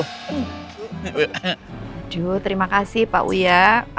waduh terima kasih pak uya